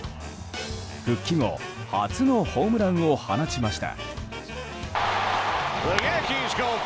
復帰後初のホームランを放ちました。